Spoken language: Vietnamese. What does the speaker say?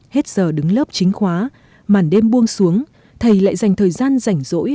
hết giờ đứng lớp chính khóa màn đêm buông xuống thầy lại dành thời gian rảnh rỗi